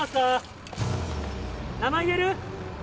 名前言える？